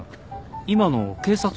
今の警察？